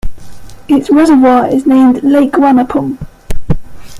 Its reservoir is named Lake Wanapum.